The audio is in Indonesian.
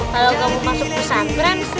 kalau kamu masuk pesantren